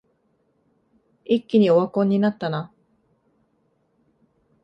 一気にオワコンになったな